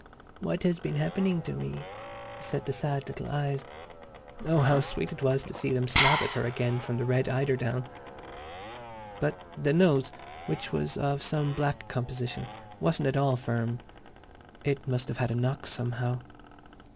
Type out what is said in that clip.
"What has been happening to me?" said the sad little eyes. Oh, how sweet it was to see them snap at her again from the red eiderdown!... But the nose, which was of some black composition, wasn't at all firm. It must have had a knock, somehow.